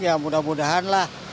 ya mudah mudahan lah